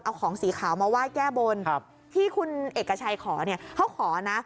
เอาของสีขาวมาไหว้แก้บนที่คุณเอกชัยขอเนี่ยเขาขอนะ